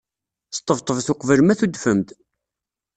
Sṭebṭbet uqbel ma tudfem-d.